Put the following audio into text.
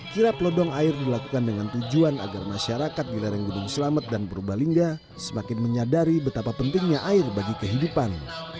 kirap lodong air dilakukan dengan tujuan agar masyarakat di lereng gunung selamet dan purbalingga semakin menyadari betapa pentingnya air bagi kehidupan